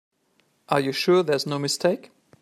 Are you sure there's no mistake?